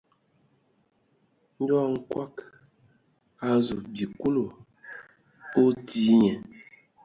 Ndɔ Nkɔg o azu bi Kulu, o tii nye.